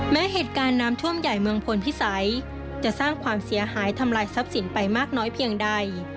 แม้เหตุการณ์น้ำท่วมใหญ่เมืองพลพิสัยจะสร้างความเสียหายทำลายทรัพย์สินไปมากน้อยเพียงใด